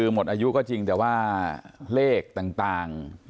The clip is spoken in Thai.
หมดอายุก็จริงแต่ว่าเลขต่าง